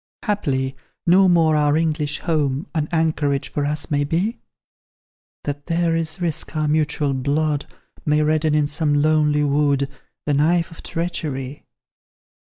Haply, no more our English home An anchorage for us may be? That there is risk our mutual blood May redden in some lonely wood The knife of treachery?